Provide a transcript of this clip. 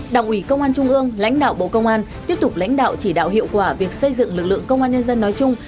đảng ủy công an trung ương lãnh đạo bộ công an tiếp tục lãnh đạo chỉ đạo hiệu quả việc xây dựng lực lượng công an nhân dân nói chung